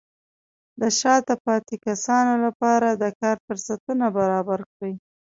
د شاته پاتې کسانو لپاره د کار فرصتونه برابر کړئ.